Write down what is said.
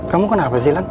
kamu kenapa sih lan